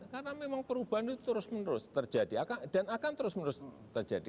karena memang perubahan itu terus menerus terjadi dan akan terus menerus terjadi